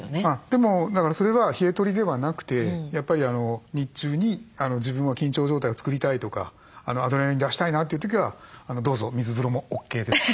でもそれは冷え取りではなくてやっぱり日中に自分は緊張状態を作りたいとかアドレナリン出したいなという時はどうぞ水風呂もＯＫです。